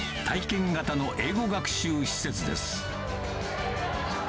体験型の英語学習施設です。